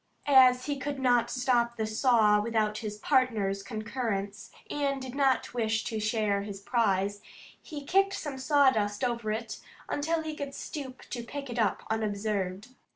As he could not stop the saw without his partners concurrence, and did not wish to share his prize, he kicked some sawdust over it until he could stoop to pick it up unobserved.